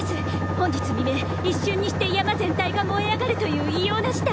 本日未明一瞬にして山全体が燃え上がるという異様な事態。